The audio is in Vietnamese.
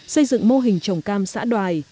xây dựng mô hình trồng cam xã đoài